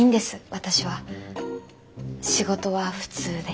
私は仕事は普通で。